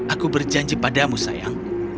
aku berjanji padamu sayang